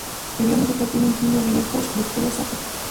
El video musical tiene "un guiño" al video "Hush" de Kula Shaker.